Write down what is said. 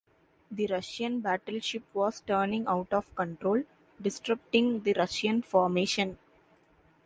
The Russian battleship was turning out of control, disrupting the Russian formation.